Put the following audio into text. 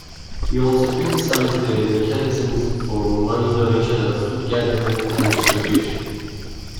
He also criticised the mechanisms for money donation and food gathering and distribution.